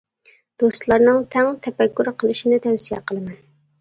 دوستلارنىڭ تەڭ تەپەككۇر قىلىشنى تەۋسىيە قىلىمەن.